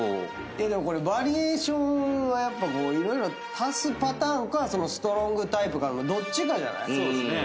でもこれバリエーションはやっぱ色々足すパターンかストロングタイプかのどっちかじゃない？